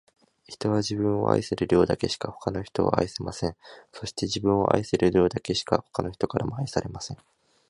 人は、自分を愛せる量だけしか、他の人を愛せません。そして、自分を愛せる量だけしか、他の人からも愛されません。